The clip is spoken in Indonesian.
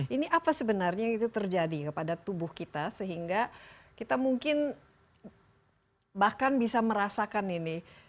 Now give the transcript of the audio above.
ini apa sebenarnya itu terjadi kepada tubuh kita sehingga kita mungkin bahkan bisa merasakan ini